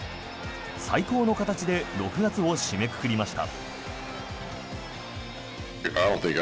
最高の形で６月を締めくくりました。